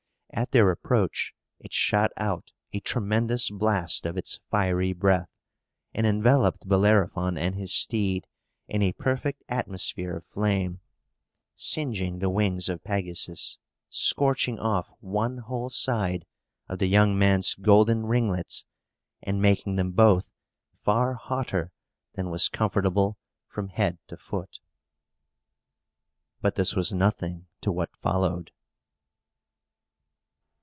At their approach it shot out a tremendous blast of its fiery breath, and enveloped Bellerophon and his steed in a perfect atmosphere of flame, singeing the wings of Pegasus, scorching off one whole side of the young man's golden ringlets, and making them both far hotter than was comfortable, from head to foot. But this was nothing to what followed.